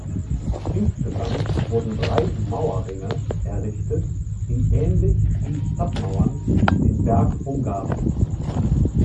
Insgesamt wurden drei Mauerringe errichtet, die ähnlich wie Stadtmauern den Berg umgaben.